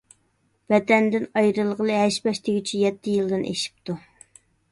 ۋەتەندىن ئايرىلغىلى ھەش-پەش دېگۈچە يەتتە يىلدىن ئېشىپتۇ.